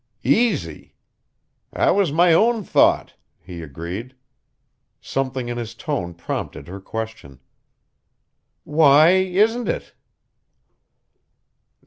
"Easy? That was my own thought," he agreed. Something in his tone prompted her question. "Why isn't it?"